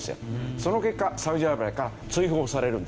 その結果サウジアラビアから追放されるんです